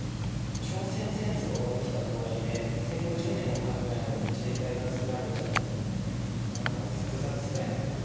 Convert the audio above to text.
朝鮮戦争が起きたとはいえ戦後１０年もたってないのに自衛隊が作られちゃうって何か複雑だよね。